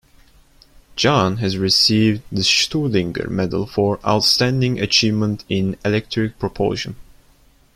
Jahn has received the Stuhlinger Medal for "Outstanding Achievement in Electric Propulsion".